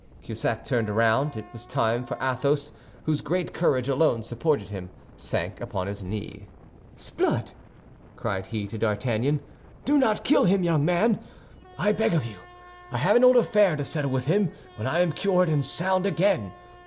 Cahusac turned. It was time; for Athos, whose great courage alone supported him, sank upon his knee. "S'blood!" cried he to D'Artagnan, "do not kill him, young man, I beg of you. I have an old affair to settle with him when I am cured and sound again.